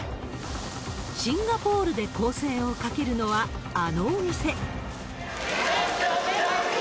シンガポールで攻勢をかけるのは、あのお店。